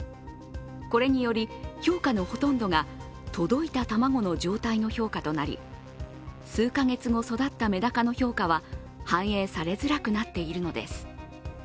これにより、評価のほとんどが届いた卵の状態の評価となり数か月後育ったメダカの評価は反映されづらくなっているのです。